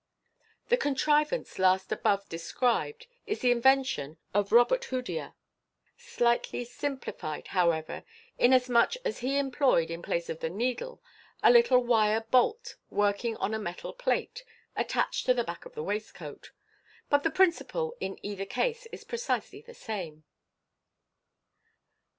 The contrivance last above described is the invention of Robert Houdin, slightly simplified, however, inasmuch as he employed, in place of the needle, a little wire bolt working on a metal plite attached to the back of the waistcoat ; but the principle in eitner case is precisely the same.